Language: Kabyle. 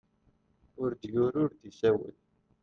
Ur d-yuri ur d-isawel.